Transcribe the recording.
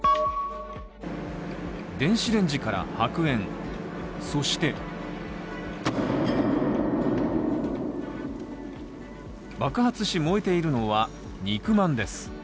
電子レンジから白煙そして爆発し燃えているのは、肉まんです。